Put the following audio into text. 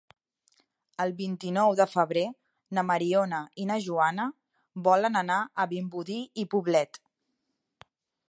El vint-i-nou de febrer na Mariona i na Joana volen anar a Vimbodí i Poblet.